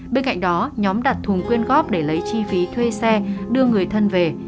bên cạnh đó nhóm đặt thùng quyên góp để lấy chi phí thuê xe đưa người thân về